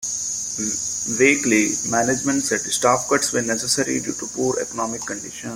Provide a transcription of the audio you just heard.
"Weekly" management said staff cuts were necessary due to poor economic conditions.